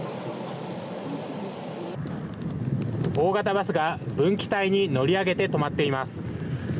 大型バスが分岐帯に乗り上げて、止まっています。